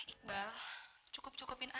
iqbal cukup cukupin aja